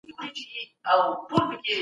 تاسو په کوم بازار کي خپل توکي پلورئ؟